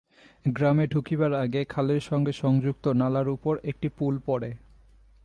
গ্রামে ঢুকিবার আগে খালের সঙ্গে সংযুক্ত নালার উপর একটি পুল পড়ে।